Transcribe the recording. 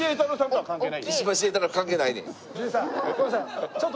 はい。